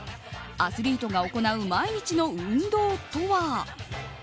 アスリートが行う毎日の運動とは。